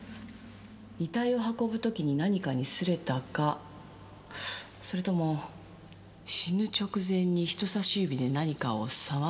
遺体を運ぶ時に何かに擦れたかそれとも死ぬ直前に人差し指で何かを触ったのかな？